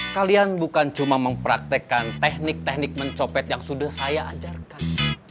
kalian bukan cuma mempraktekkan teknik teknik mencopet yang sudah saya ajarkan